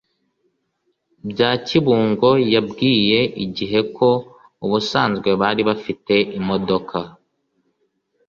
bya Kibungo yabwiye igihe ko ubusanzwe bari bafite imodoka